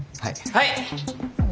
はい。